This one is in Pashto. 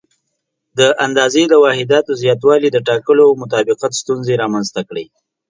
د اندازې د واحداتو زیاتوالي د ټاکلو او مطابقت ستونزې رامنځته کړې.